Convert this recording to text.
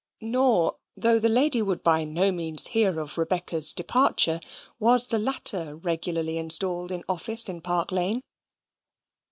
Nor though the old lady would by no means hear of Rebecca's departure, was the latter regularly installed in office in Park Lane.